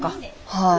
はい。